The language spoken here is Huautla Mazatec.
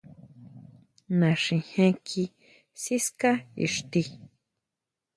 Naxijén kí siská xti.